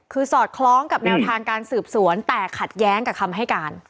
คือสอดคล้องกับแนวทางการสืบสวนแต่ขัดแย้งกับคำให้การ